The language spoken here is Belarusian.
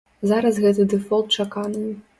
Зараз гэты дэфолт чаканы.